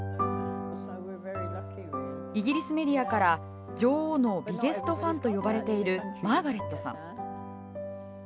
イギリスメディアから女王のビゲスト・ファンと呼ばれているマーガレットさん。